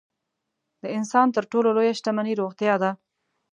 د انسان تر ټولو لویه شتمني روغتیا ده.